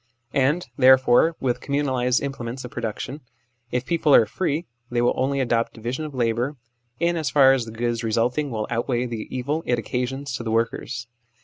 And, therefore, with communalised implements of production, if people are free, they will only adopt division of labour in as far as the good re sulting will outweigh the evil it occasions to the workers.